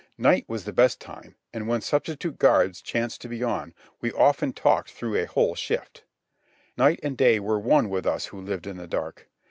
Night was the best time, and, when substitute guards chanced to be on, we often talked through a whole shift. Night and day were one with us who lived in the dark.